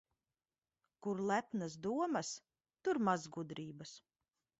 Kur lepnas domas, tur maz gudrības.